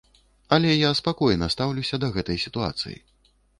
Але я спакойна стаўлюся да гэтай сітуацыі.